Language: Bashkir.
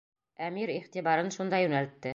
Әмир иғтибарын шунда йүнәлтте.